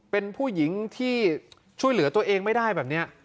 เป็นผู้หญิงที่ช่วยเหลือตัวเองไม่ได้แบบนี้